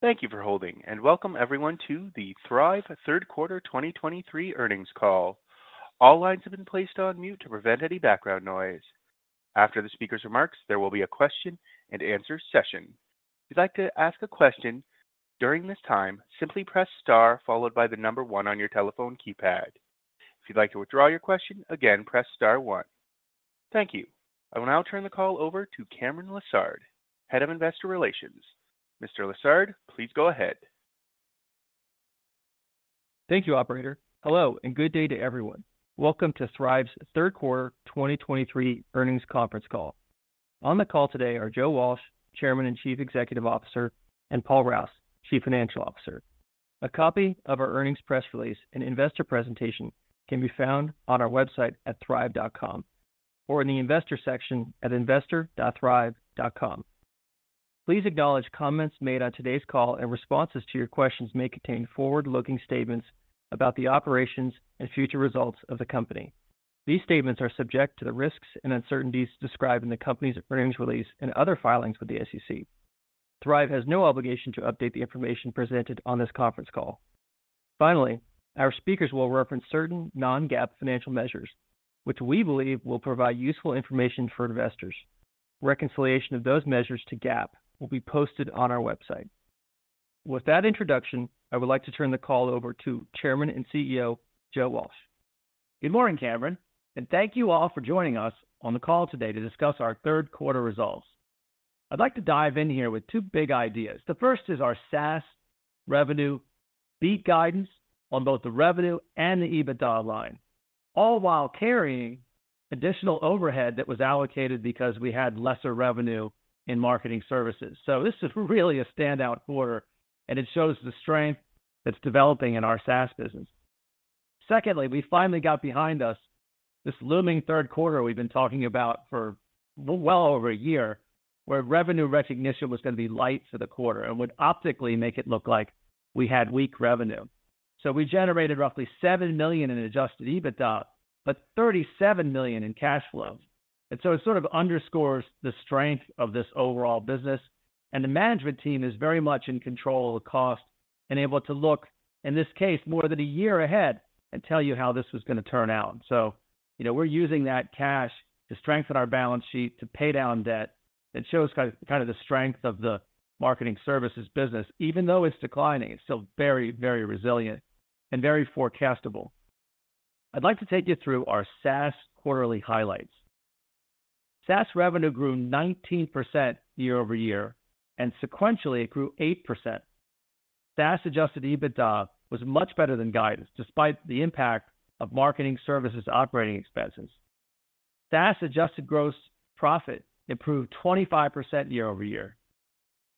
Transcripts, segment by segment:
Thank you for holding, and welcome everyone to the Thryv Q3 2023 earnings call. All lines have been placed on mute to prevent any background noise. After the speaker's remarks, there will be a question and answer session. If you'd like to ask a question during this time, simply press star followed by the number one on your telephone keypad. If you'd like to withdraw your question, again, press star one. Thank you. I will now turn the call over to Cameron Lessard, Head of Investor Relations. Mr. Lessard, please go ahead. Thank you, operator. Hello, and good day to everyone. Welcome to Thryv's Q3 2023 earnings conference call. On the call today are Joe Walsh, Chairman and Chief Executive Officer, and Paul Rouse, Chief Financial Officer. A copy of our earnings press release and investor presentation can be found on our website at thryv.com or in the investor section at investor.thryv.com. Please acknowledge comments made on today's call and responses to your questions may contain forward-looking statements about the operations and future results of the company. These statements are subject to the risks and uncertainties described in the company's earnings release and other filings with the SEC. Thryv has no obligation to update the information presented on this conference call. Finally, our speakers will reference certain non-GAAP financial measures, which we believe will provide useful information for investors. Reconciliation of those measures to GAAP will be posted on our website. With that introduction, I would like to turn the call over to Chairman and CEO, Joe Walsh. Good morning, Cameron, and thank you all for joining us on the call today to discuss our Q3 results. I'd like to dive in here with two big ideas. The first is our SaaS revenue beat guidance on both the revenue and the EBITDA line, all while carrying additional overhead that was allocated because we had lesser revenue in marketing services. So this is really a standout quarter, and it shows the strength that's developing in our SaaS business. Secondly, we finally got behind us this looming Q3 we've been talking about for well over a year, where revenue recognition was gonna be light for the quarter and would optically make it look like we had weak revenue. So we generated roughly $7 million in adjusted EBITDA, but $37 million in cash flows. And so it sort of underscores the strength of this overall business, and the management team is very much in control of the cost and able to look, in this case, more than a year ahead and tell you how this was gonna turn out. So, you know, we're using that cash to strengthen our balance sheet, to pay down debt. That shows kind of the strength of the marketing services business. Even though it's declining, it's still very, very resilient and very forecastable. I'd like to take you through our SaaS quarterly highlights. SaaS revenue grew 19% year-over-year, and sequentially, it grew 8%. SaaS adjusted EBITDA was much better than guidance, despite the impact of marketing services operating expenses. SaaS adjusted gross profit improved 25% year-over-year,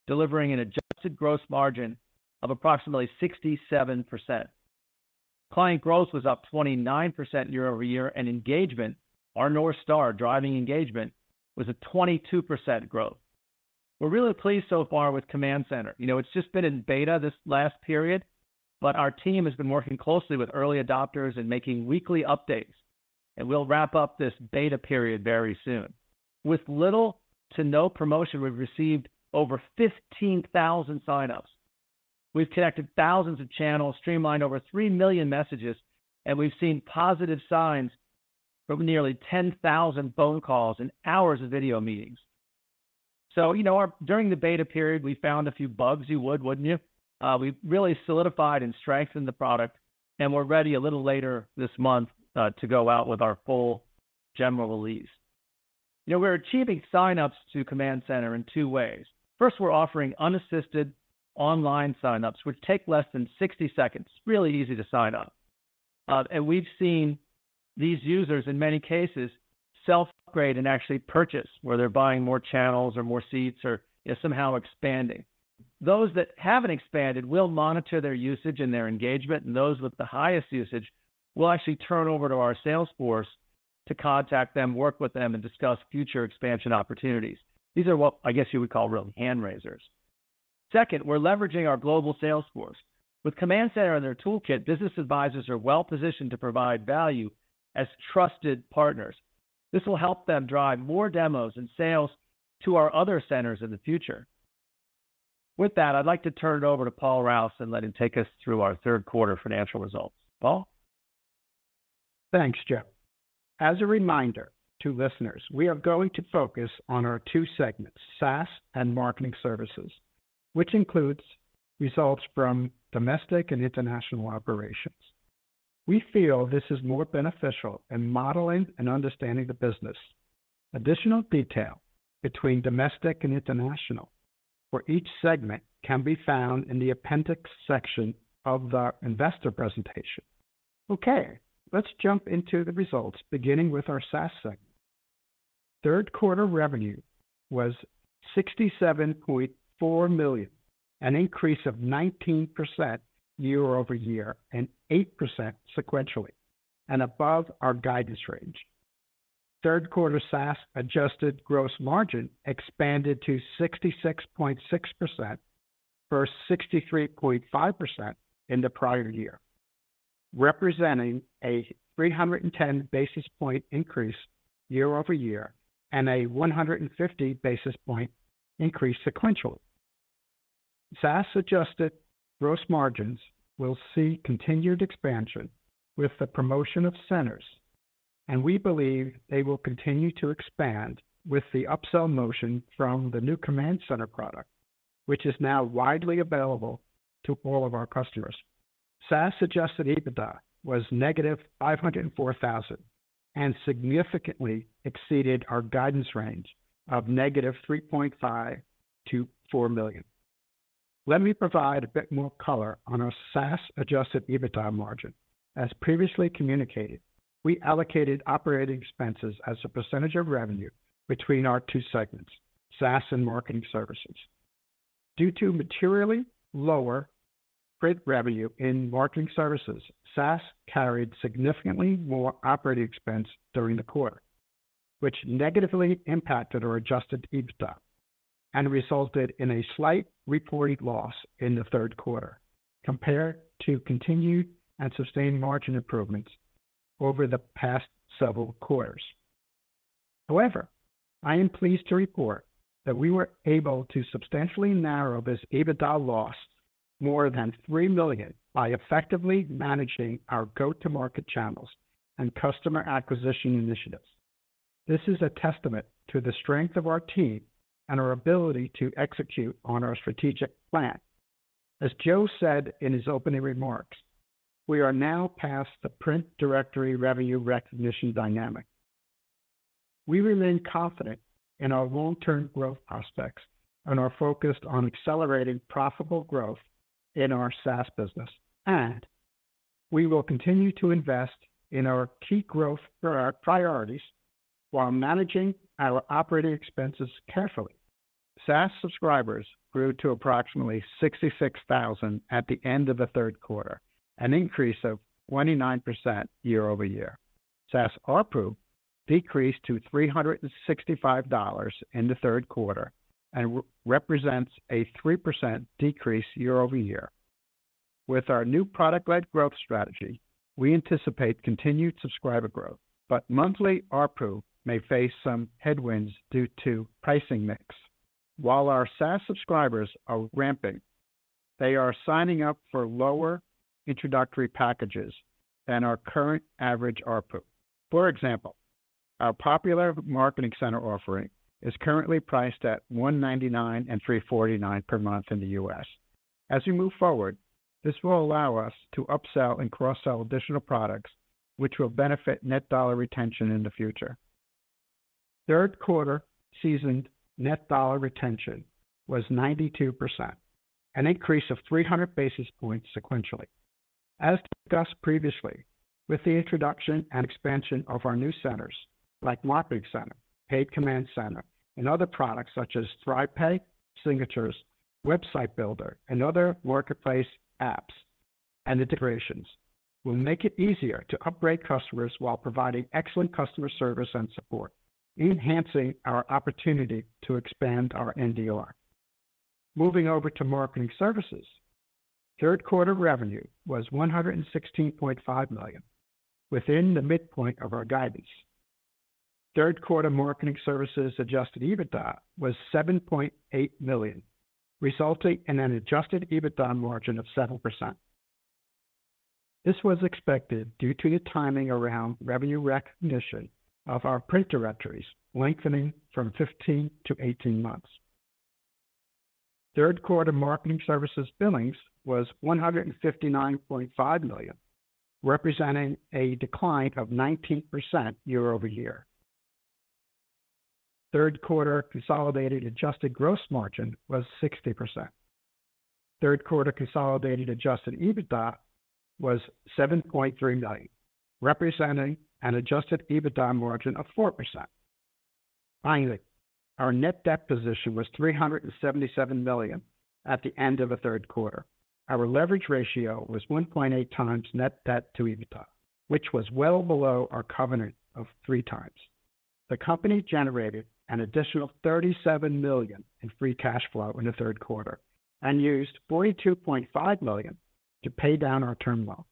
delivering an adjusted gross margin of approximately 67%. Client growth was up 29% year-over-year, and engagement, our North Star, driving engagement, was a 22% growth. We're really pleased so far with Command Center. You know, it's just been in beta this last period, but our team has been working closely with early adopters and making weekly updates, and we'll wrap up this beta period very soon. With little to no promotion, we've received over 15,000 signups. We've connected thousands of channels, streamlined over three million messages, and we've seen positive signs from nearly 10,000 phone calls and hours of video meetings. So, you know, during the beta period, we found a few bugs. You would, wouldn't you? We've really solidified and strengthened the product, and we're ready a little later this month to go out with our full general release. You know, we're achieving signups to Command Center in two ways. First, we're offering unassisted online signups, which take less than 60 seconds. Really easy to sign up. And we've seen these users, in many cases, self-upgrade and actually purchase, where they're buying more channels or more seats or, yeah, somehow expanding. Those that haven't expanded, we'll monitor their usage and their engagement, and those with the highest usage, we'll actually turn over to our sales force to contact them, work with them, and discuss future expansion opportunities. These are what I guess you would call really hand raisers. Second, we're leveraging our global sales force. With Command Center and their toolkit, business advisors are well-positioned to provide value as trusted partners. This will help them drive more demos and sales to our other centers in the future. With that, I'd like to turn it over to Paul Rouse and let him take us through our Q3 financial results. Paul? Thanks, Joe. As a reminder to listeners, we are going to focus on our two segments, SaaS marketing services, which includes results from domestic and international operations. We feel this is more beneficial in modeling and understanding the business. Additional detail between domestic and international for each segment can be found in the appendix section of the investor presentation. Okay, let's jump into the results, beginning with our SaaS segment. Q3 revenue was $67.4 million, an increase of 19% year-over-year and 8% sequentially, and above our guidance range. Q3 SaaS adjusted gross margin expanded to 66.6% for 63.5% in the prior year, representing a 310 basis point increase year-over-year and a 150 basis point increase sequentially. SaaS adjusted gross margins will see continued expansion with the promotion of centers, and we believe they will continue to expand with the upsell motion from the new Command Center product, which is now widely available to all of our customers. SaaS adjusted EBITDA was -$504,000, and significantly exceeded our guidance range of -$3.5-4 million. Let me provide a bit more color on our SaaS adjusted EBITDA margin. As previously communicated, we allocated operating expenses as a percentage of revenue between our two segments, SaaS marketing services. Due to materially lower print revenue marketing services, SaaS carried significantly more operating expense during the quarter, which negatively impacted our adjusted EBITDA and resulted in a slight reported loss in the Q3 compared to continued and sustained margin improvements over the past several quarters. However, I am pleased to report that we were able to substantially narrow this EBITDA loss more than $3 million by effectively managing our go-to-market channels and customer acquisition initiatives. This is a testament to the strength of our team and our ability to execute on our strategic plan. As Joe said in his opening remarks, we are now past the print directory revenue recognition dynamic. We remain confident in our long-term growth prospects and are focused on accelerating profitable growth in our SaaS business, and we will continue to invest in our key growth priorities while managing our operating expenses carefully. SaaS subscribers grew to approximately 66,000 at the end of the Q3, an increase of 29% year-over-year. SaaS ARPU decreased to $365 in the Q3 and represents a 3% decrease year-over-year. With our new product-led growth strategy, we anticipate continued subscriber growth, but monthly ARPU may face some headwinds due to pricing mix. While our SaaS subscribers are ramping, they are signing up for lower introductory packages than our current average ARPU. For example, our popular Marketing Center offering is currently priced at $199 and $349 per month in the U.S. As we move forward, this will allow us to upsell and cross-sell additional products, which will benefit net dollar retention in the future. Q3 seasoned net dollar retention was 92%, an increase of 300 basis points sequentially. As discussed previously, with the introduction and expansion of our new centers like Marketing Center, paid Command Center, and other products such as ThryvPay, Signatures, website builder, and other marketplace apps and integrations, will make it easier to upgrade customers while providing excellent customer service and support, enhancing our opportunity to expand our NDR. Moving over marketing services, Q3 revenue was $116.5 million, within the midpoint of our guidance. Q3 marketing services Adjusted EBITDA was $7.8 million, resulting in an Adjusted EBITDA margin of 7%. This was expected due to the timing around revenue recognition of our print directories lengthening from 15 to 18 months. Q3 marketing services billings was $159.5 million, representing a decline of 19% year-over-year. Q3 consolidated Adjusted Gross Margin was 60%. Q3 consolidated Adjusted EBITDA was $7.3 million, representing an Adjusted EBITDA margin of 4%. Finally, our net debt position was $377 million at the end of the Q3. Our leverage ratio was 1.8x net debt to EBITDA, which was well below our covenant of 3x. The company generated an additional $37 million in free cash flow in the Q3 and used $42.5 million to pay down our term loan,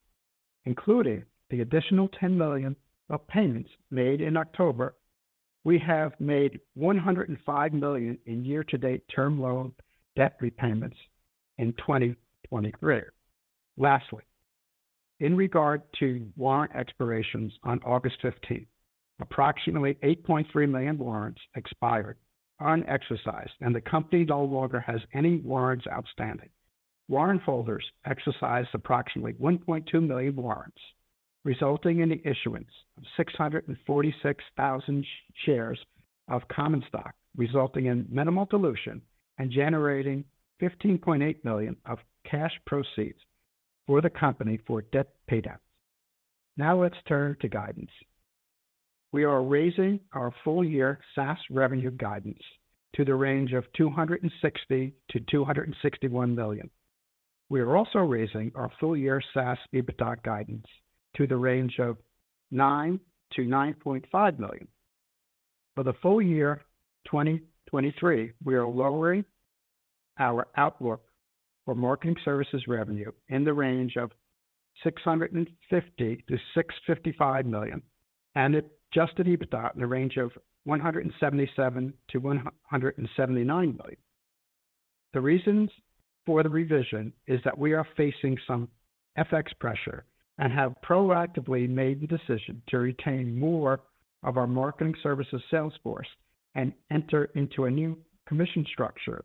including the additional $10 million of payments made in October. We have made $105 million in year-to-date term loan debt repayments in 2023. Lastly, in regard to warrant expirations, on 15 August, approximately 8.3 million warrants expired unexercised, and the company no longer has any warrants outstanding. Warrant holders exercised approximately 1.2 million warrants, resulting in the issuance of 646,000 shares of common stock, resulting in minimal dilution and generating $15.8 million of cash proceeds for the company for debt paydowns. Now let's turn to guidance. We are raising our full year SaaS revenue guidance to the range of $260-261 million. We are also raising our full-year SaaS EBITDA guidance to the range of $9-9.5 million. For the full year 2023, we are lowering our outlook for marketing services revenue in the range of $650-655 million, and Adjusted EBITDA in the range of $177-179 million. The reasons for the revision is that we are facing some FX pressure and have proactively made the decision to retain more of marketing services sales force and enter into a new commission structure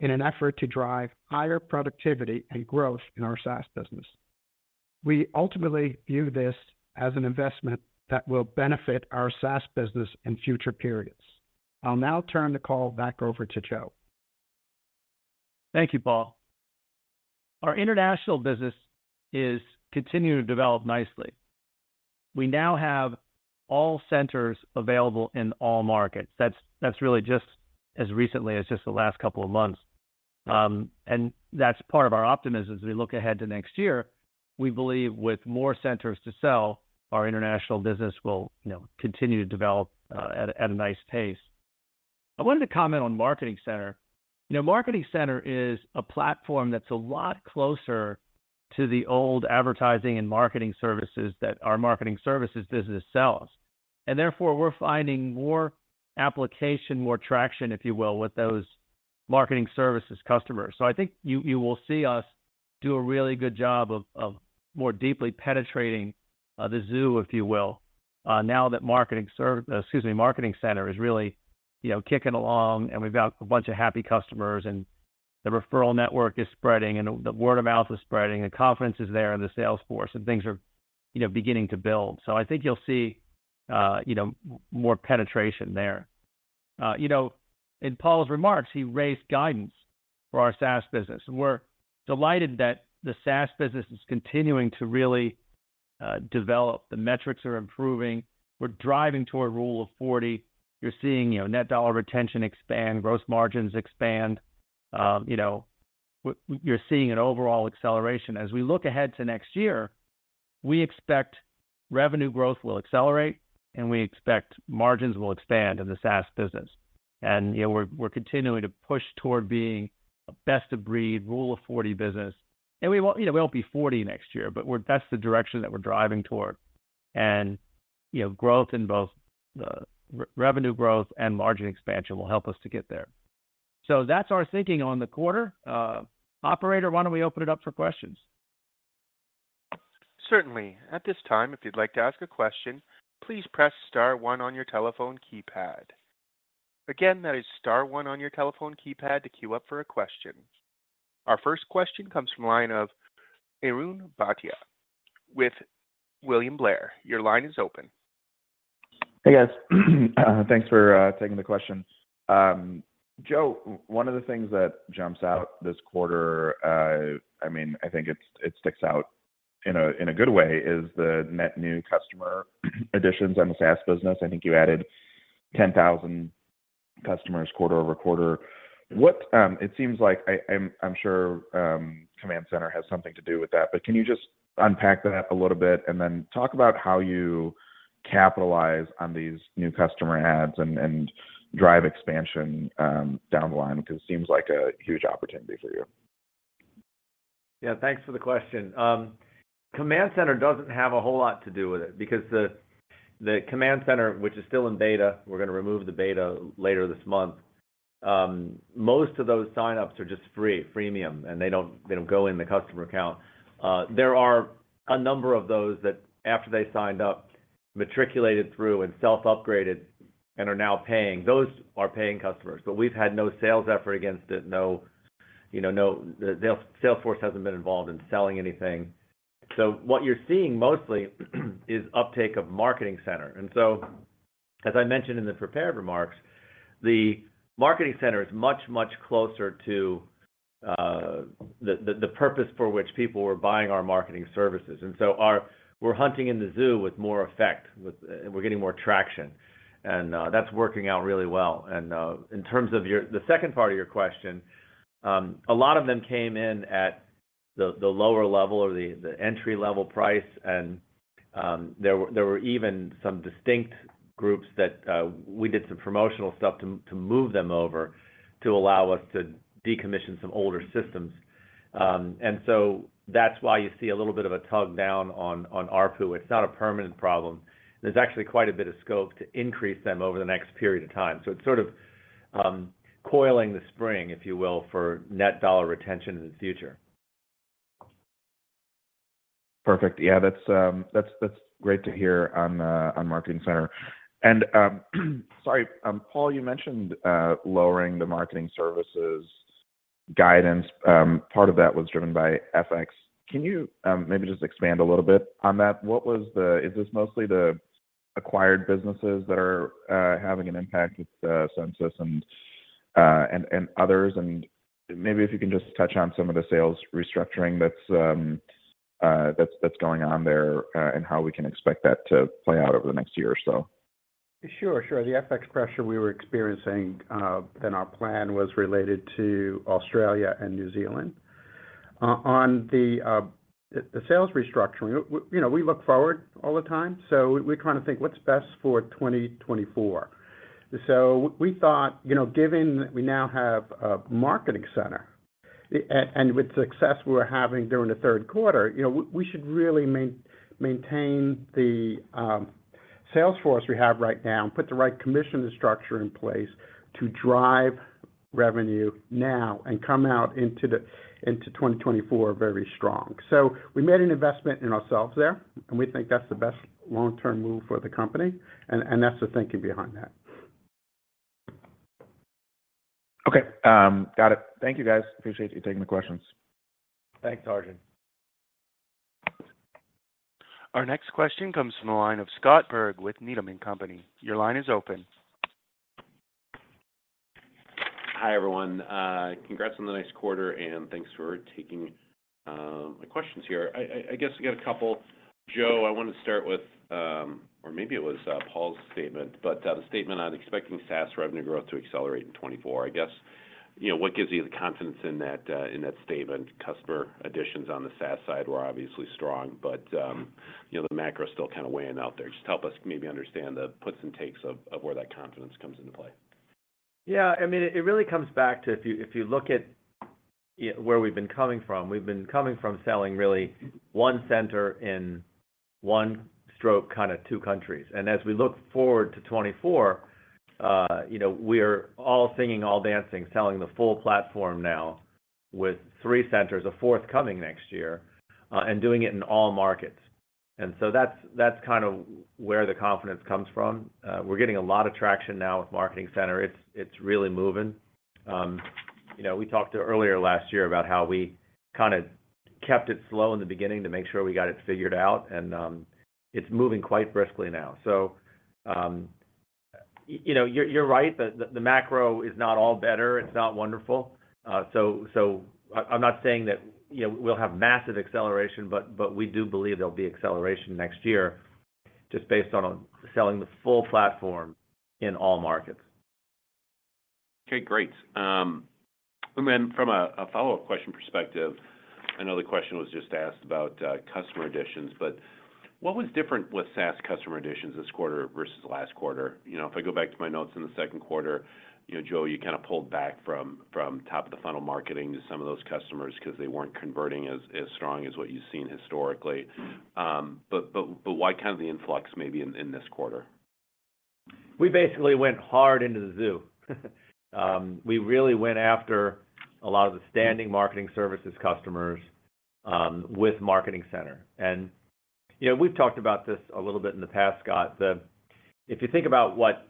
in an effort to drive higher productivity and growth in our SaaS business. We ultimately view this as an investment that will benefit our SaaS business in future periods. I'll now turn the call back over to Joe. Thank you, Paul. Our international business is continuing to develop nicely. We now have all centers available in all markets. That's, that's really just as recently as just the last couple of months. And that's part of our optimism as we look ahead to next year. We believe with more centers to sell, our international business will, you know, continue to develop at a nice pace. I wanted to comment on Marketing Center. Now, Marketing Center is a platform that's a lot closer to the old advertising and marketing services that our marketing services business sells, and therefore, we're finding more application, more traction, if you will, with those marketing services customers. So I think you will see us do a really good job of more deeply penetrating the zoo, if you will, now that Marketing Center is really, you know, kicking along, and we've got a bunch of happy customers, and the referral network is spreading, and the word of mouth is spreading, the confidence is there in the sales force, and things are, you know, beginning to build. So I think you'll see, you know, more penetration there. You know, in Paul's remarks, he raised guidance for our SaaS business. We're delighted that the SaaS business is continuing to really develop. The metrics are improving. We're driving toward Rule of 40. You're seeing, you know, net dollar retention expand, gross margins expand. You know, you're seeing an overall acceleration. As we look ahead to next year, we expect revenue growth will accelerate, and we expect margins will expand in the SaaS business. And, you know, we're continuing to push toward being a best-of-breed, Rule of 40 business. And we won't, you know, we won't be forty next year, but we're, that's the direction that we're driving toward. And, you know, growth in both the revenue growth and margin expansion will help us to get there. So that's our thinking on the quarter. Operator, why don't we open it up for questions? Certainly. At this time, if you'd like to ask a question, please press star one on your telephone keypad. Again, that is star one on your telephone keypad to queue up for a question. Our first question comes from line of Arjun Bhatia with William Blair. Your line is open. Hey, guys. Thanks for taking the questions. Joe, one of the things that jumps out this quarter, I mean, I think it sticks out in a good way, is the net new customer additions on the SaaS business. I think you added 10,000 customers quarter over quarter. What... It seems like I'm sure Command Center has something to do with that, but can you just unpack that a little bit, and then talk about how you capitalize on these new customer adds and drive expansion down the line? Because it seems like a huge opportunity for you. Yeah, thanks for the question. Command Center doesn't have a whole lot to do with it because the Command Center, which is still in beta, we're gonna remove the beta later this month. Most of those signups are just free, freemium, and they don't go in the customer account. There are a number of those that, after they signed up, matriculated through and self-upgraded and are now paying. Those are paying customers, but we've had no sales effort against it. No, you know, no, the sales, sales force hasn't been involved in selling anything. So what you're seeing mostly is uptake of Marketing Center. And so, as I mentioned in the prepared remarks, the Marketing Center is much, much closer to the purpose for which people were buying our marketing services. And so we're hunting in the zoo with more effect. We're getting more traction, and that's working out really well. And in terms of the second part of your question, a lot of them came in at the lower level or the entry-level price, and there were even some distinct groups that we did some promotional stuff to, to move them over, to allow us to decommission some older systems. And so that's why you see a little bit of a tug down on ARPU. It's not a permanent problem. There's actually quite a bit of scope to increase them over the next period of time. So it's sort of coiling the spring, if you will, for net dollar retention in the future. Perfect. Yeah, that's great to hear on Marketing Center. Sorry, Paul, you mentioned lowering the marketing services guidance. Part of that was driven by FX. Can you maybe just expand a little bit on that? What was the... Is this mostly the acquired businesses that are having an impact with Sensis and others? And maybe if you can just touch on some of the sales restructuring that's going on there, and how we can expect that to play out over the next year or so. Sure, sure. The FX pressure we were experiencing in our plan was related to Australia and New Zealand.... On the sales restructuring, you know, we look forward all the time, so we kind of think what's best for 2024. So we thought, you know, given we now have a Marketing Center, and with the success we were having during the Q3, you know, we should really maintain the sales force we have right now, and put the right commission structure in place to drive revenue now and come out into 2024 very strong. So we made an investment in ourselves there, and we think that's the best long-term move for the company, and that's the thinking behind that. Okay, got it. Thank you, guys. Appreciate you taking the questions. Thanks, Arjun. Our next question comes from the line of Scott Berg with Needham and Company. Your line is open. Hi, everyone. Congrats on the nice quarter, and thanks for taking my questions here. I guess I got a couple. Joe, I want to start with, or maybe it was Paul's statement, but the statement on expecting SaaS revenue growth to accelerate in 2024. I guess, you know, what gives you the confidence in that statement? Customer additions on the SaaS side were obviously strong, but, you know, the macro is still kind of weighing out there. Just help us maybe understand the puts and takes of where that confidence comes into play. Yeah, I mean, it, it really comes back to if you, if you look at where we've been coming from. We've been coming from selling really one center in one stroke, kind of two countries. And as we look forward to 2024, you know, we're all singing, all dancing, selling the full platform now with three centers, a fourth coming next year, and doing it in all markets. And so that's kind of where the confidence comes from. We're getting a lot of traction now with Marketing Center. It's, it's really moving. You know, we talked earlier last year about how we kind of kept it slow in the beginning to make sure we got it figured out, and it's moving quite briskly now. So, you know, you're right, the macro is not all better. It's not wonderful. So, I’m not saying that, you know, we’ll have massive acceleration, but we do believe there’ll be acceleration next year just based on selling the full platform in all markets. Okay, great. And then from a follow-up question perspective, I know the question was just asked about customer additions, but what was different with SaaS customer additions this quarter versus last quarter? You know, if I go back to my notes in the Q2, you know, Joe, you kind of pulled back from top-of-the-funnel marketing to some of those customers because they weren't converting as strong as what you've seen historically. But why kind of the influx maybe in this quarter? We basically went hard into the zoo. We really went after a lot of the marketing services customers with Marketing Center. And, you know, we've talked about this a little bit in the past, Scott, that if you think about what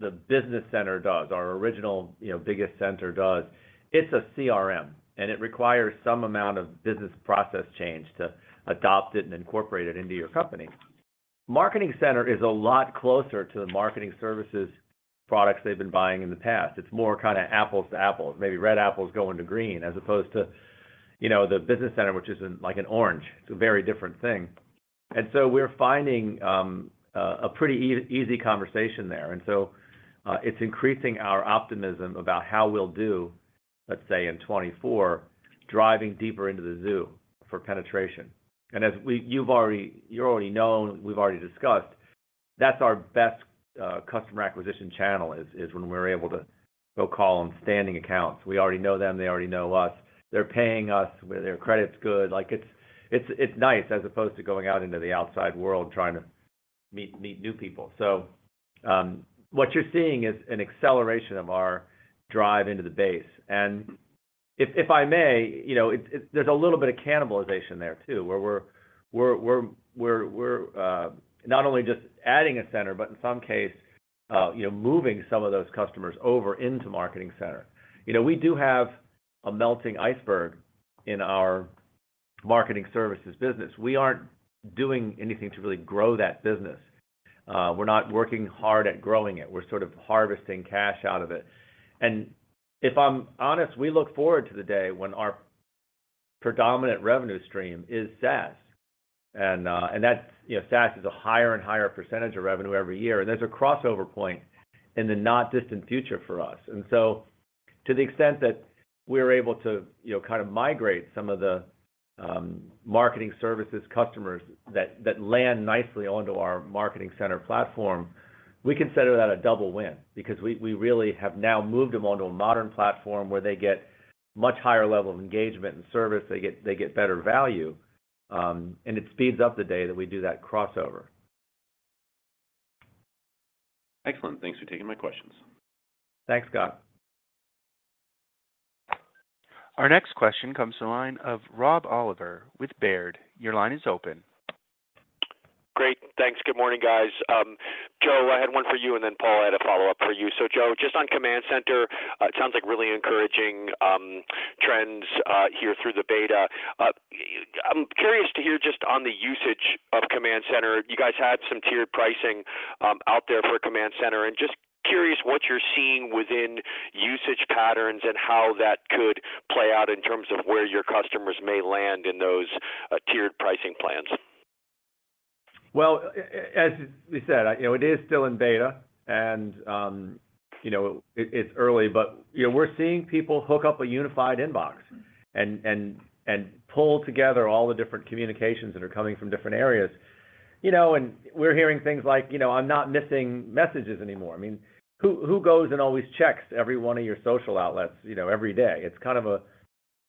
the Business Center does, our original, you know, biggest center does, it's a CRM, and it requires some amount of business process change to adopt it and incorporate it into your company. Marketing Center is a lot closer to marketing services products they've been buying in the past. It's more kind of apples to apples, maybe red apples going to green, as opposed to, you know, the Business Center, which is in like an orange. It's a very different thing. And so we're finding a pretty easy conversation there. It's increasing our optimism about how we'll do, let's say, in 2024, driving deeper into the zoo for penetration. As we've already... You already know, and we've already discussed, that's our best customer acquisition channel, is when we're able to go call on standing accounts. We already know them, they already know us. They're paying us, where their credit's good. Like, it's nice as opposed to going out into the outside world, trying to meet new people. What you're seeing is an acceleration of our drive into the base. If I may, you know, there's a little bit of cannibalization there, too, where we're not only just adding a center, but in some case, you know, moving some of those customers over into Marketing Center. You know, we do have a melting iceberg in our marketing services business. We aren't doing anything to really grow that business. We're not working hard at growing it. We're sort of harvesting cash out of it. And if I'm honest, we look forward to the day when our predominant revenue stream is SaaS. And, and that's, you know, SaaS is a higher and higher percentage of revenue every year, and there's a crossover point in the not distant future for us. And so to the extent that we're able to, you know, kind of migrate some of the marketing services customers that, that land nicely onto our Marketing Center platform, we consider that a double win because we, we really have now moved them onto a modern platform where they get much higher level of engagement and service. They get, they get better value, and it speeds up the day that we do that crossover. Excellent. Thanks for taking my questions. Thanks, Scott. Our next question comes to the line of Rob Oliver with Baird. Your line is open. Great. Thanks. Good morning, guys. Joe, I had one for you, and then, Paul, I had a follow-up for you. So, Joe, just on Command Center, it sounds like really encouraging trends here through the beta. I'm curious to hear just on the usage of Command Center. You guys had some tiered pricing out there for Command Center, and just curious what you're seeing within usage patterns and how that could play out in terms of where your customers may land in those tiered pricing plans? ...Well, as we said, you know, it is still in beta, and, you know, it's early, but, you know, we're seeing people hook up a unified inbox and pull together all the different communications that are coming from different areas. You know, and we're hearing things like, you know, I'm not missing messages anymore. I mean, who goes and always checks every one of your social outlets, you know, every day? It's kind of a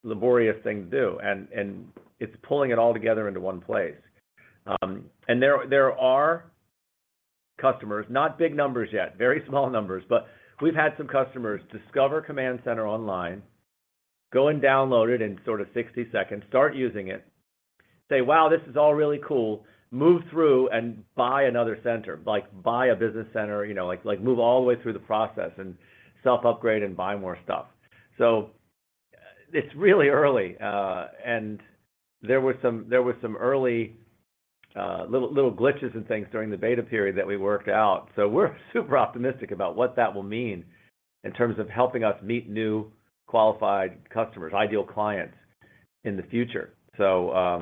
laborious thing to do, and it's pulling it all together into one place. And there are customers, not big numbers yet, very small numbers, but we've had some customers discover Command Center online, go and download it in sort of 60 seconds, start using it, say, wow, this is all really cool, move through and buy another center, like, buy a Business Center. You know, like, move all the way through the process and self-upgrade and buy more stuff. So it's really early, and there were some early little glitches and things during the beta period that we worked out. So we're super optimistic about what that will mean in terms of helping us meet new qualified customers, ideal clients in the future. So,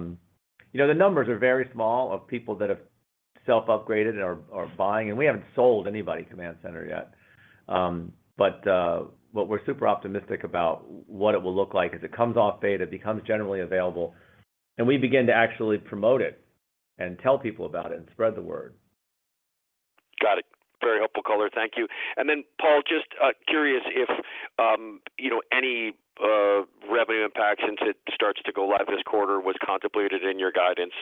you know, the numbers are very small of people that have self-upgraded and are buying, and we haven't sold anybody Command Center yet. But we're super optimistic about what it will look like as it comes off beta, becomes generally available, and we begin to actually promote it and tell people about it and spread the word. Got it! Very helpful color. Thank you. And then, Paul, just curious if, you know, any revenue impact since it starts to go live this quarter was contemplated in your guidance,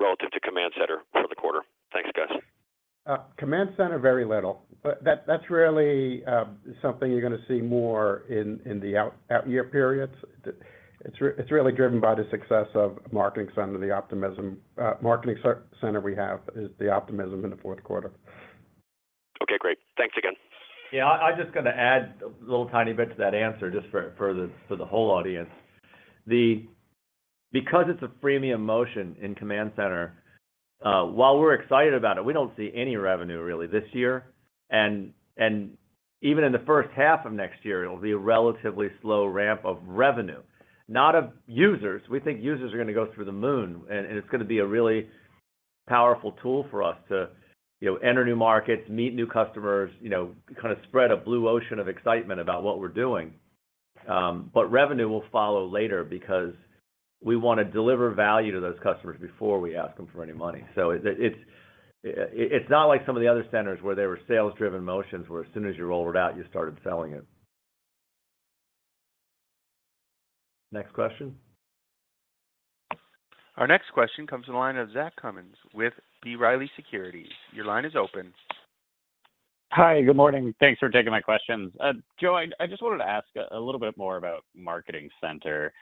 relative to Command Center for the quarter? Thanks, guys. Command Center, very little, but that's really something you're gonna see more in the out year periods. It's really driven by the success of Marketing Center, the optimism Marketing Center we have is the optimism in the Q4. Okay, great. Thanks again. Yeah, I just gonna add a little tiny bit to that answer, just for the whole audience. Because it's a freemium motion in Command Center, while we're excited about it, we don't see any revenue really this year. And even in the H1 of next year, it'll be a relatively slow ramp of revenue, not of users. We think users are gonna go through the moon, and it's gonna be a really powerful tool for us to, you know, enter new markets, meet new customers, you know, kind of spread a blue ocean of excitement about what we're doing. But revenue will follow later because we want to deliver value to those customers before we ask them for any money. So it's not like some of the other centers where they were sales-driven motions, where as soon as you rolled it out, you started selling it. Next question. Our next question comes from the line of Zach Cummins with B. Riley Securities. Your line is open. Hi, good morning. Thanks for taking my questions. Joe, I just wanted to ask a little bit more about Marketing Center.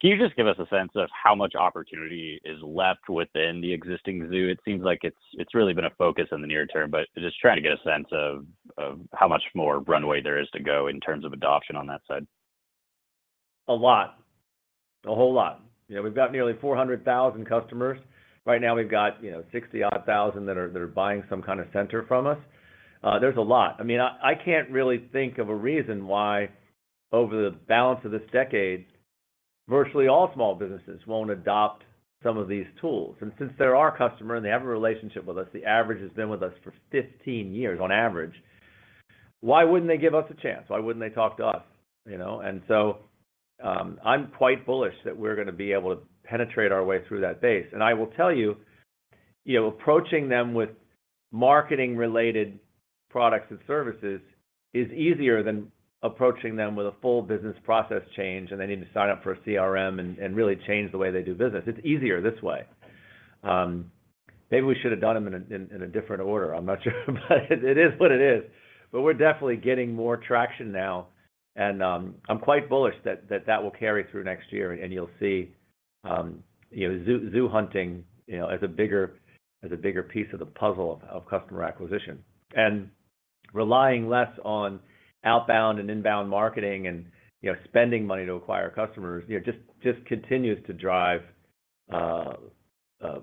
Can you just give us a sense of how much opportunity is left within the existing base? It seems like it's really been a focus in the near term, but just trying to get a sense of how much more runway there is to go in terms of adoption on that side. A lot. A whole lot. You know, we've got nearly 400,000 customers. Right now, we've got, you know, 60-odd thousand that are buying some kind of center from us. There's a lot. I mean, I can't really think of a reason why, over the balance of this decade, virtually all small businesses won't adopt some of these tools. And since they're our customer and they have a relationship with us, the average has been with us for 15 years on average, why wouldn't they give us a chance? Why wouldn't they talk to us, you know? And so, I'm quite bullish that we're gonna be able to penetrate our way through that base. I will tell you, you know, approaching them with marketing-related products and services is easier than approaching them with a full business process change, and they need to sign up for a CRM and really change the way they do business. It's easier this way. Maybe we should have done them in a different order. I'm not sure, but it is what it is. But we're definitely getting more traction now, and I'm quite bullish that that will carry through next year, and you'll see, you know, SEO hunting, you know, as a bigger piece of the puzzle of customer acquisition. And relying less on outbound and inbound marketing and, you know, spending money to acquire customers, you know, just continues to drive the,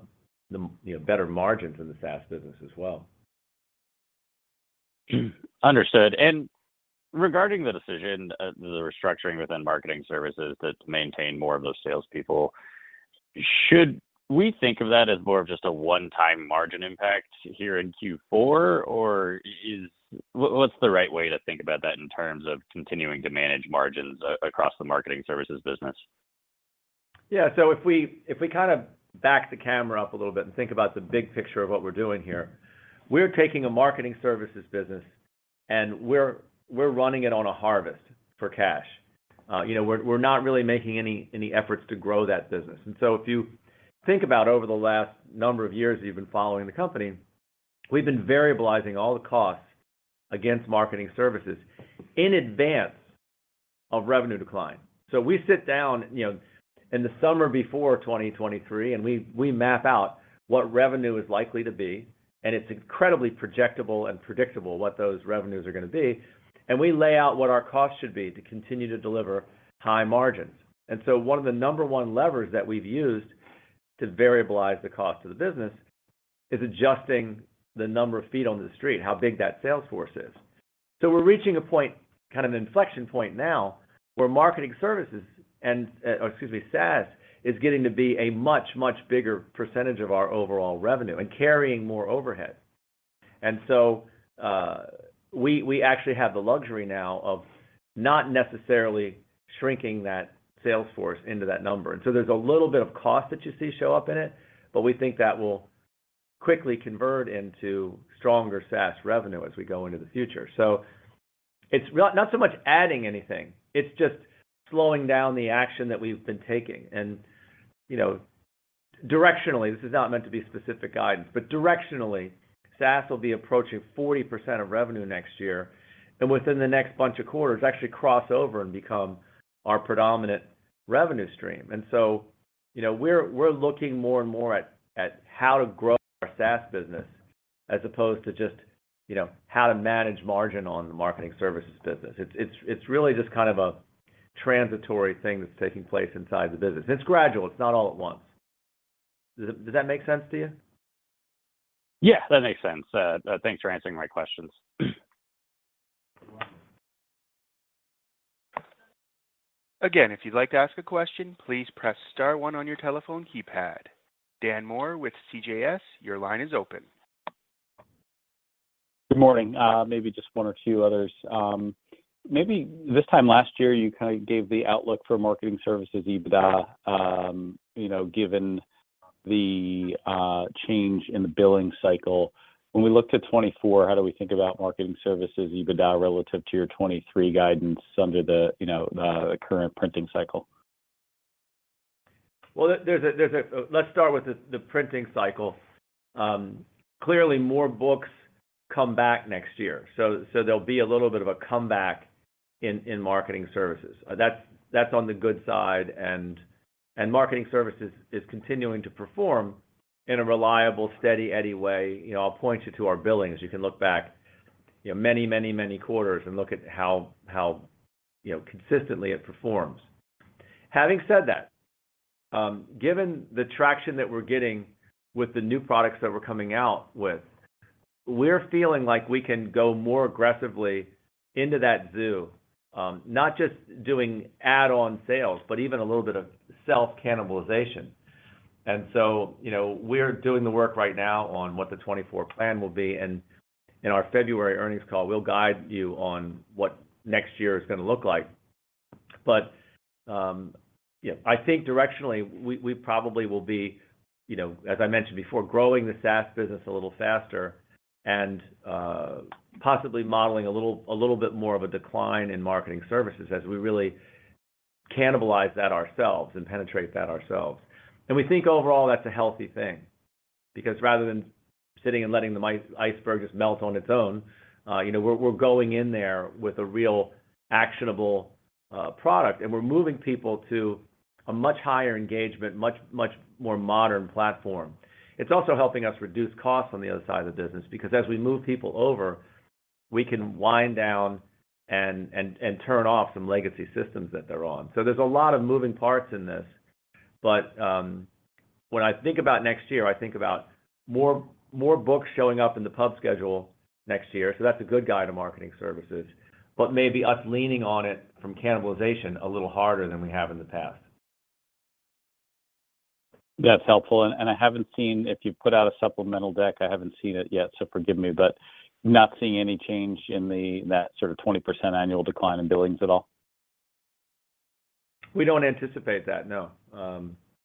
you know, better margins in the SaaS business as well. Understood. And regarding the decision, the restructuring within marketing services that's maintained more of those salespeople, should we think of that as more of just a one-time margin impact here in Q4? Or, what's the right way to think about that in terms of continuing to manage margins across the marketing services business? Yeah, so if we kind of back the camera up a little bit and think about the big picture of what we're doing here, we're taking a marketing services business, and we're running it on a harvest for cash. You know, we're not really making any efforts to grow that business. And so if you think about over the last number of years that you've been following the company, we've been variabilizing all the costs against marketing services in advance of revenue decline. So we sit down, you know, in the summer before 2023, and we map out what revenue is likely to be, and it's incredibly projectable and predictable what those revenues are gonna be, and we lay out what our costs should be to continue to deliver high margins. And so one of the number one levers that we've used to variabilize the cost of the business is adjusting the number of feet on the street, how big that sales force is. So we're reaching a point, kind of inflection point now, where marketing services and, excuse me, SaaS is getting to be a much, much bigger percentage of our overall revenue and carrying more overhead. And so, we actually have the luxury now of not necessarily shrinking that sales force into that number. And so there's a little bit of cost that you see show up in it, but we think that will quickly convert into stronger SaaS revenue as we go into the future. So it's not so much adding anything, it's just slowing down the action that we've been taking. You know, directionally, this is not meant to be specific guidance, but directionally, SaaS will be approaching 40% of revenue next year, and within the next bunch of quarters, actually cross over and become our predominant revenue stream. And so, you know, we're looking more and more at how to grow our SaaS business, as opposed to just, you know, how to manage margin on the marketing services business. It's really just kind of a transitory thing that's taking place inside the business. It's gradual. It's not all at once. Does that make sense to you? Yeah, that makes sense. Thanks for answering my questions. Again, if you'd like to ask a question, please press star one on your telephone keypad. Dan Moore with CJS, your line is open. Good morning. Maybe just one or two others. Maybe this time last year, you kinda gave the outlook marketing services, EBITDA, you know, given the change in the billing cycle. When we looked at 2024, how do we think marketing services, EBITDA, relative to your 2023 guidance under the, you know, the current printing cycle? Well, let's start with the printing cycle. Clearly, more books come back next year, so there'll be a little bit of a comeback marketing services. That's on the good side, marketing services is continuing to perform in a reliable, steady Eddie way. You know, I'll point you to our Billings. You can look back, you know, many, many, many quarters and look at how you know, consistently it performs. Having said that, given the traction that we're getting with the new products that we're coming out with, we're feeling like we can go more aggressively into that silo, not just doing add-on sales, but even a little bit of self-cannibalization. You know, we're doing the work right now on what the 2024 plan will be, and in our February earnings call, we'll guide you on what next year is gonna look like. But, yeah, I think directionally, we probably will be, you know, as I mentioned before, growing the SaaS business a little faster and possibly modeling a little bit more of a decline in marketing services as we really cannibalize that ourselves and penetrate that ourselves. And we think overall that's a healthy thing, because rather than sitting and letting the iceberg just melt on its own, you know, we're going in there with a real actionable product, and we're moving people to a much higher engagement, much more modern platform. It's also helping us reduce costs on the other side of the business, because as we move people over, we can wind down and turn off some legacy systems that they're on. So there's a lot of moving parts in this, but when I think about next year, I think about more books showing up in the pub schedule next year. So that's a good guide to marketing services, but maybe us leaning on it from cannibalization a little harder than we have in the past. That's helpful, and I haven't seen, if you've put out a supplemental deck, I haven't seen it yet, so forgive me, but not seeing any change in the, that sort of 20% annual decline in billings at all? We don't anticipate that, no.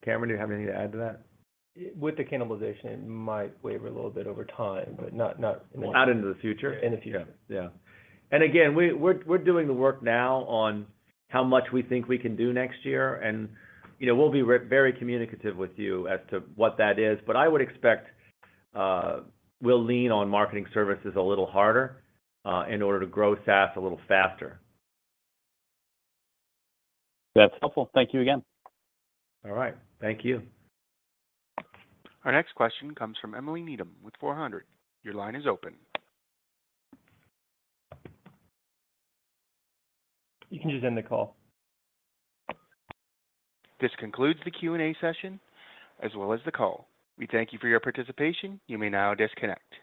Cameron, do you have anything to add to that? With the cannibalization, it might waver a little bit over time, but not- Not into the future? In the future. Yeah. Yeah. And again, we're doing the work now on how much we think we can do next year, and, you know, we'll be very communicative with you as to what that is, but I would expect we'll lean marketing services a little harder in order to grow SaaS a little faster. That's helpful. Thank you again. All right. Thank you. Our next question comes from Emily Needham with Four Hundred. Your line is open. You can just end the call. This concludes the Q&A session, as well as the call. We thank you for your participation. You may now disconnect.